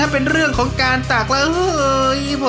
หมายเลข๔ครับ